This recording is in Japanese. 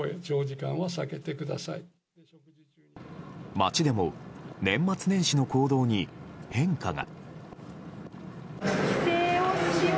街でも年末年始の行動に変化が。